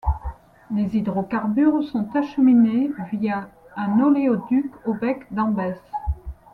Les hydrocarbures sont acheminés via un oléoduc au bec d'Ambès.